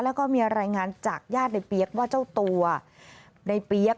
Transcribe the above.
แล้วก็มีรายงานจากญาติในเปี๊กว่าเจ้าตัวในเปี๊ยก